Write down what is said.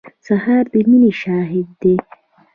سهار د مینې شاهد دی.